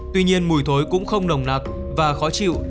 tuy nhiên mùi thối cũng không nồng nặc và khó chịu